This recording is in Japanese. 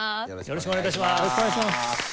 よろしくお願いします。